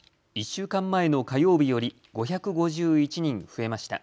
１週間前の火曜日より５５１人増えました。